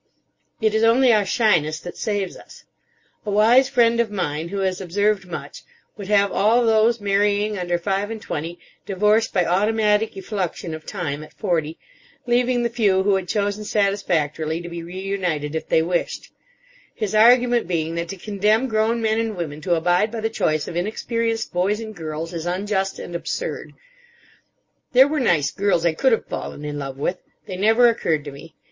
It is only our shyness that saves us. A wise friend of mine, who has observed much, would have all those marrying under five and twenty divorced by automatic effluxion of time at forty, leaving the few who had chosen satisfactorily to be reunited if they wished: his argument being that to condemn grown men and women to abide by the choice of inexperienced boys and girls is unjust and absurd. There were nice girls I could have fallen in love with. They never occurred to me.